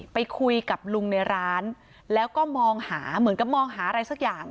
ไปคุยกับลุงในร้านแล้วก็มองหาเหมือนกับมองหาอะไรสักอย่าง